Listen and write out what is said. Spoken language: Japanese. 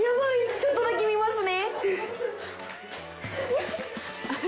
ちょっとだけ見ますね。